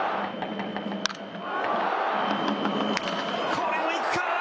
これも行くか？